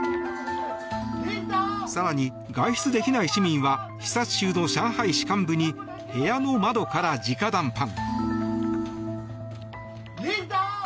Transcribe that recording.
更に、外出できない市民は視察中の上海市幹部に部屋の窓から直談判。